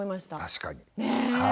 確かに。ね！